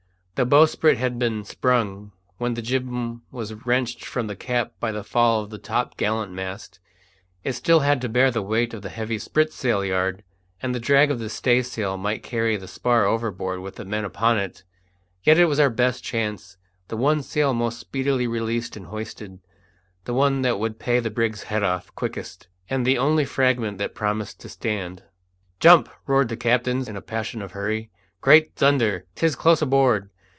The bowsprit had been sprung when the jibboom was wrenched from the cap by the fall of the top gallant mast; it still had to bear the weight of the heavy spritsail yard, and the drag of the staysail might carry the spar overboard with the men upon it. Yet it was our best chance; the one sail most speedily released and hoisted, the one that would pay the brig's head off quickest, and the only fragment that promised to stand. "Jump!" roared the captain, in a passion of hurry. "Great thunder! 'tis close aboard!